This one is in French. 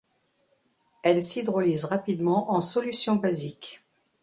Elle s'hydrolyse rapidement en solution basique.